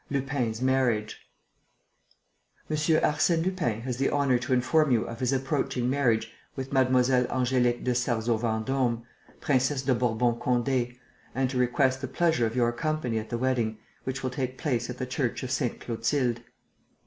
VIII LUPIN'S MARRIAGE "Monsieur Arsène Lupin has the honour to inform you of his approaching marriage with Mademoiselle Angélique de Sarzeau Vendôme, Princesse de Bourbon Condé, and to request the pleasure of your company at the wedding, which will take place at the church of Sainte Clotilde...."